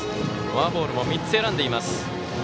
フォアボールも３つ選んでいます。